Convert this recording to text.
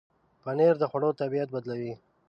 پنېر د خوړو طبعیت بدلوي.